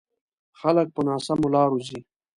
خلک په ناسمو لارو ځي.